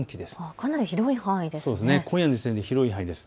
かなり広い範囲ですね。